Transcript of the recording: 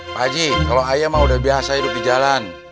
pak haji kalau ayah mah udah biasa hidup di jalan